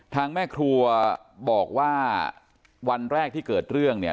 แม่ครัวบอกว่าวันแรกที่เกิดเรื่องเนี่ย